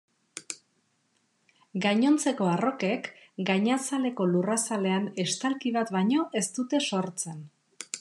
Gainontzeko arrokek, gainazaleko lurrazalean estalki bat baino ez dute sortzen.